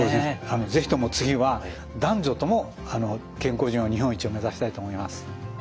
是非とも次は男女とも健康寿命日本一を目指したいと思います。